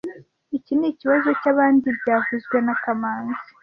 Iki nikibazo cyabandi byavuzwe na kamanzi